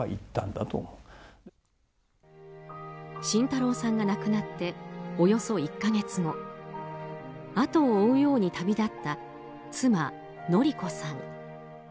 慎太郎さんが亡くなっておよそ１か月後後を追うように旅立った妻・典子さん。